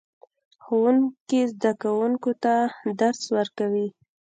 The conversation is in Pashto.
ښوونکی زده کوونکو ته درس ورکوي